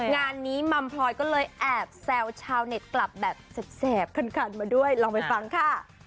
งานนี้มัมพลอยก็เลยแอบแซวชาวเน็ตกลับแบบแสบคันมาด้วยลองไปฟังค่ะ